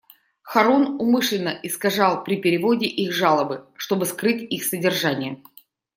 Харун умышленно искажал при переводе их жалобы, чтобы скрыть их содержание.